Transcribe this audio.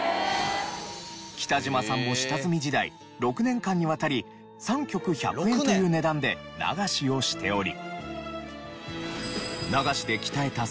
北島さんも下積み時代６年間にわたり３曲１００円という値段で流しをしており。